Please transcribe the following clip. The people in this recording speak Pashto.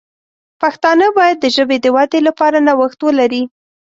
پښتانه باید د ژبې د ودې لپاره نوښت ولري.